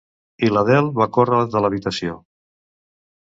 I l'Adele va córrer de l'habitació.